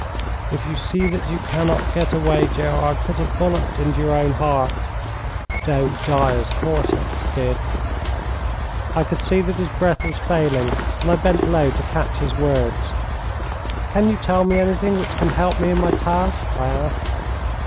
If you see that you cannot get away, Gerard, put a bullet into your own heart. Don't die as Cortex did." I could see that his breath was failing, and I bent low to catch his words. "Can you tell me anything which can help me in my task?" I asked.